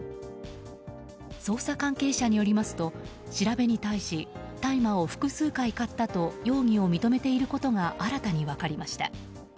捜査関係者によりますと調べに対し大麻を複数回買ったと容疑を認めていることが新たに分かりました。